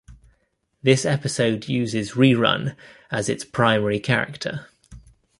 This episode uses Rerun as its primary character.